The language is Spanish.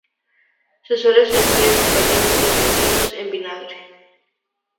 Se suele servir acompañado de pepinos en vinagre.